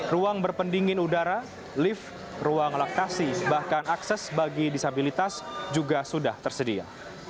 ruang berpendingin udara lift ruang laktasi bahkan akses bagi disabilitas juga sudah tersedia